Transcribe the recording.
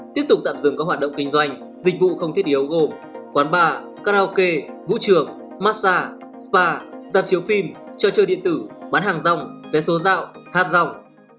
tiếp tục tạm dừng các hoạt động kinh doanh dịch vụ không thiết yếu gồm quán bar karaoke vũ trường massage spa gia chiếu phim trò chơi điện tử bán hàng rong vé số dạo hát rong